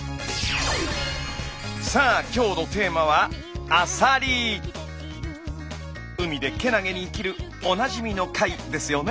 さあ今日のテーマは海でけなげに生きるおなじみの貝ですよね。